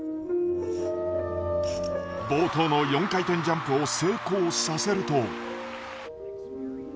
冒頭の４回転ジャンプを成功させると。